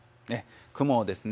雲をですね